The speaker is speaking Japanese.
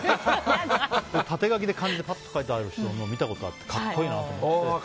縦書きで、漢字でパッと書いてあるの見たことあって格好いいなと思って。